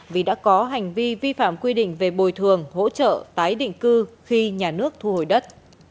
vì đã có hành vi vi phạm quy định về bồi thường hỗ trợ tái định cư khi nhà nước thu hồi đất